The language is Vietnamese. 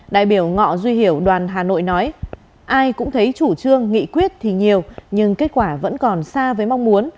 đại biểu ngọ duy hiểu đoàn hà nội nói ai cũng thấy chủ trương nghị quyết thì nhiều nhưng kết quả vẫn còn xa với mong muốn